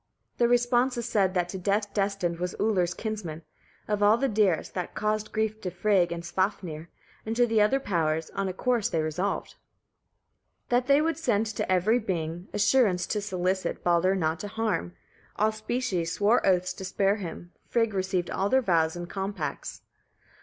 3. The responses said that to death destined was Ullr's kinsman, of all the dearest: that caused grief to Frigg and Svafnir, and to the other powers On a course they resolved: 4. That they would send to every being, assurance to solicit, Baldr not to harm. All species swore oaths to spare him; Frigg received all their vows and compacts.